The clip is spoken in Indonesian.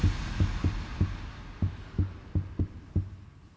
ya udah tante aku tunggu di situ ya